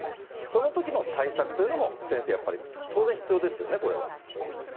そのときの対策というのも先生、やっぱり当然必要ですよね、これは。